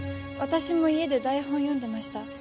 私も家で台本を読んでました。